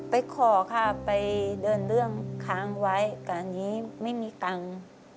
ไปขอค่ะไปเดินเรื่องค้างไว้การนี้ไม่มีตังค์